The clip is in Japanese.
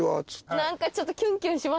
何かちょっと。